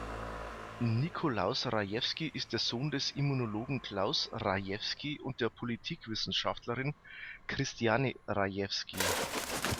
Nikolaus Rajewsky ist der Sohn des Immunologen Klaus Rajewsky und der Politikwissenschaftlerin Christiane Rajewsky.